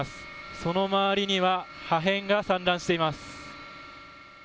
その回りには破片が散乱しています。